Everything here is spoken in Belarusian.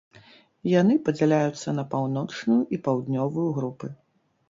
Яны падзяляюцца на паўночную і паўднёвую групы.